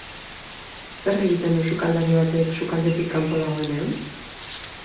Zer egiten du sukaldari batek sukaldetik kanpo dagoenean?